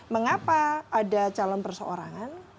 mengapa ada calon perseorangan